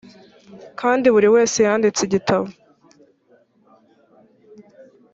kandi buri wese yanditse igitabo